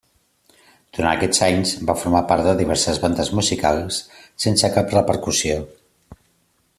Durant aquests anys va formar part de diverses bandes musicals sense cap repercussió.